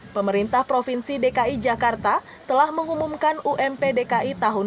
pemerintah provinsi dki jakarta telah mengumumkan ump dki tahun dua ribu dua puluh